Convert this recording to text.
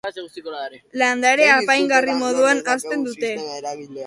Landare apaingarri moduan hazten dute